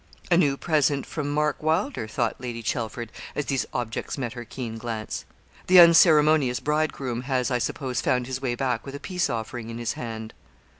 'A new present from Mark Wylder,' thought Lady Chelford, as these objects met her keen glance. 'The unceremonious bridegroom has, I suppose, found his way back with a peace offering in his hand.'